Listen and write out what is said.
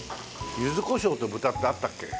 ゆず胡椒と豚って合ったっけ？